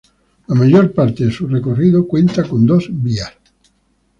La mayor parte de su recorrido cuenta con dos vías.